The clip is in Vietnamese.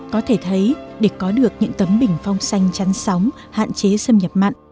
có thể thấy để có được những tấm bình phong xanh trắng sóng hạn chế xâm nhập mặn